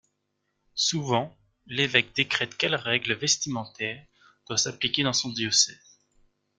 Souvent, l'évêque décrète quelle règle vestimentaire doit s'appliquer dans son diocèse.